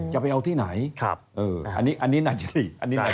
จะไปเอาที่ไหนอันนี้น่าจะดี